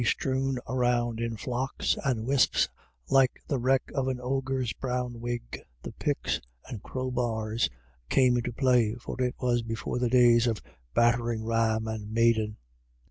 strewn around in flocks and wisps like the wreck of an ogre's brown wig, the picks and crowbars came into play, for it was before the days of battering ram or maiden.